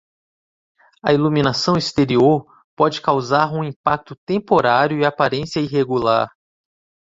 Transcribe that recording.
A iluminação exterior pode causar um impacto temporário e aparência irregular.